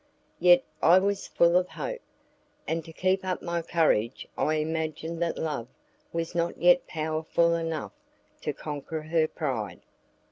Yet I was full of hope, and to keep up my courage I imagined that love was not yet powerful enough to conquer her pride.